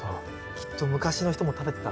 きっと昔の人も食べてたんですね。